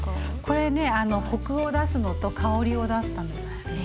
これねコクを出すのと香りを出すためですね。